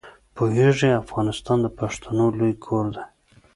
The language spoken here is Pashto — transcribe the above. پوهېږې افغانستان د پښتنو لوی کور دی.